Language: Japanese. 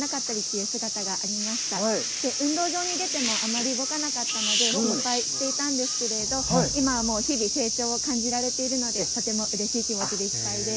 うんどうじょうにでてもあまり動かなかったので、心配していたんですけれども、今はもう日々、成長を感じられているので、とてもうれしい気持ちでいっぱいです。